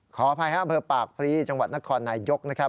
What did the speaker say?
ขออภัยฮะอำเภอปากพลีจังหวัดนครนายก